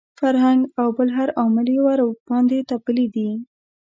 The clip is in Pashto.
فرهنګ او بل هر عامل یې ورباندې تپلي دي.